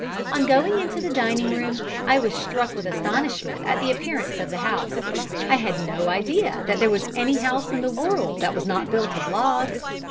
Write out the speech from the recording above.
On going into the dining room, I was struck with astonishment at the appearance of the house. I had no idea that there was any house in the world that was not built of logs.